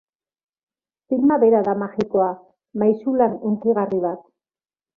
Filma bera da magikoa, maisulan hunkigarri bat.